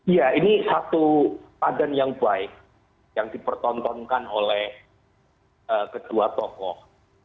ya ini satu badan yang baik yang dipertontonkan oleh kedua tokoh